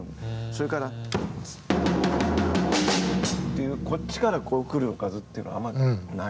それからっていうこっちからこう来るおかずっていうのはあんまりない。